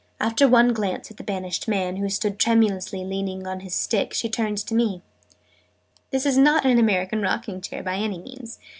After one glance at the 'banished man,' who stood tremulously leaning on his stick, she turned to me. "This is not an American rocking chair, by any means!